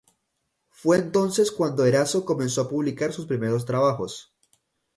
Fue entonces cuando Eraso comenzó a publicar sus primeros trabajos.